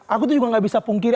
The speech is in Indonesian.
aku tuh juga gak bisa pungkiri